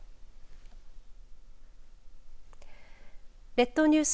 列島ニュース